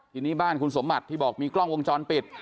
ทีนี้บ้านคุณสมบัติที่บอกมีกล้องวงจรปิด